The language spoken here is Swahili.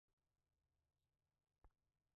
Mnyama kuhara ni dalili muhimu ya ugonjwa wa minyoo